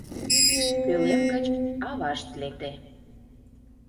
Пӧлем гыч авашт лекте.